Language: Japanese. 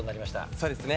そうですね。